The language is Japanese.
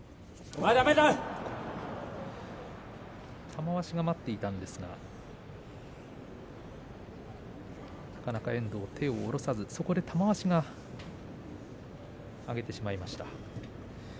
玉鷲は待っていたんですがなかなか遠藤が手を下ろさずそこで玉鷲が上げてしまいました。